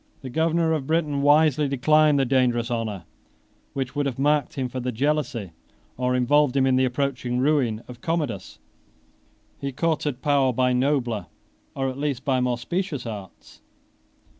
18 The governor of Britain wisely declined the dangerous honor, which would have marked him for the jealousy, or involved him in the approaching ruin, of Commodus. He courted power by nobler, or, at least, by more specious arts.